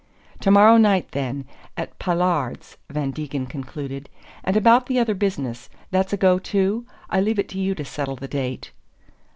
"To morrow night, then, at Paillard's," Van Degen concluded. "And about the other business that's a go too? I leave it to you to settle the date."